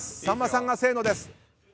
さんまさんが「せーの」です。